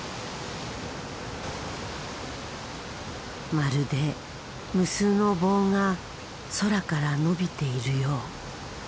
まるで無数の棒が空から伸びているよう。